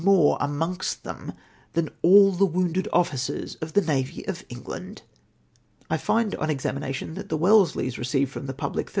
more amongst them than all the wounded officers of the Navy of England'^ "I find upon examination that the Wellesleys receive from the public 34,729